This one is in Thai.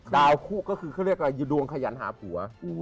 ดาวคู่ก็คือเขาเรียกว่าดวงขยันหาผัว